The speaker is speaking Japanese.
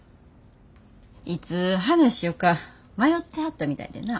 いつ話しようか迷ってはったみたいでな。